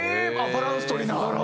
バランス取りながら。